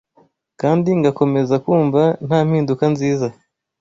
Kandi ngakomeza kumva nta mpinduka nziza